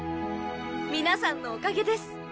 皆さんのおかげです。